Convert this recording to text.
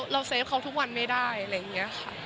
เซฟเขาทุกวันไม่ได้อะไรอย่างนี้ค่ะ